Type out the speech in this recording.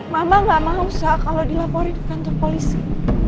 mama nggak mau saat kalau dilaporin ke kantor polisi